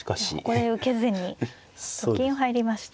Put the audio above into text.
ここで受けずにと金を入りました。